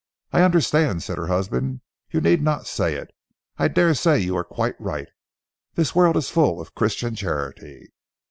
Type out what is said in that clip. "I understand," said her husband. "You need not say it. I dare say you are quite right. This world is full of Christian charity."